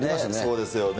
そうですよね。